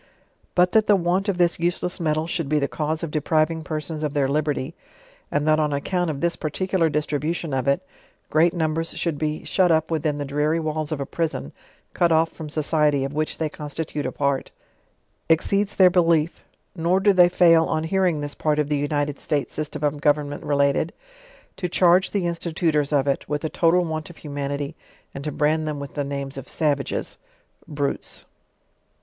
But that the want of this useless metal should be the cause of depriving persons of their liberty, and that on ac count of this j>iirUvular distribution of it, great numbers should be si nit u:> u J.m the dreary walls. of a prison, cut off from 60'cittfyuf vv'uiuh i':.oy constitute a part, exceeds their lelici; Lor Co tlioy lad, on hearing this part of the United!' LEWIS AND CLARICE. 63 States system of government related, to charge the i net i tu tors of it with a total want of humanity, and to brand them with the names of savages, brutes.